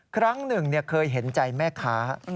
ครั้งหนึ่งเคยเห็นใจแม่ค้า